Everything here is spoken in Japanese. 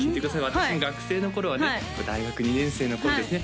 私も学生の頃はね大学２年生の頃ですね